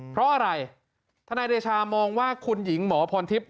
เพราะอะไรทนายเดชามองว่าคุณหญิงหมอพรทิพย